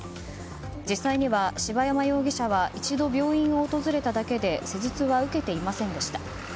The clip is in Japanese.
実際には、柴山容疑者は一度病院を訪れただけで施術は受けていませんでした。